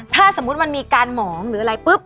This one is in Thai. ถ้าสมมุติมันมีการหมองหรืออะไรปุ๊บ